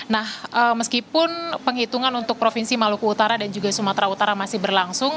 nah meskipun penghitungan untuk provinsi maluku utara dan juga sumatera utara masih berlangsung